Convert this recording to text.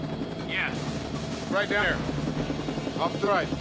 いや。